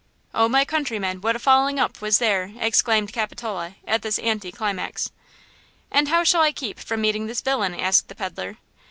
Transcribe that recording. "'Oh, my countrymen, what a falling up was there,'" exclaimed Capitola at this anti climax. "And how shall I keep from meeting this villain?" asked the peddler.